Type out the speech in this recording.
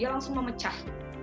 dia langsung memecah